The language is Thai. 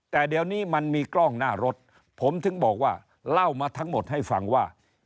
แต่เดี๋ยวนี้มันมีกล้องหน้ารถผมถึงบอกว่าเล่ามาทั้งหมดให้ฟังว่า